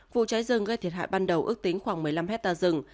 vụ cháy rừng gây thiệt hại ban đầu ước tính khoảng một mươi năm hectare rừng